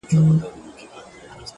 • توبه لرم پر شونډو ماتوې یې او که نه ,